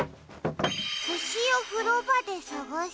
「ほしをふろばでさがせ。